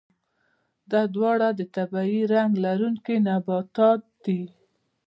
دا دواړه د طبیعي رنګ لرونکي نباتات دي.